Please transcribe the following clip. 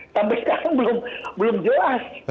sampai sekarang belum jelas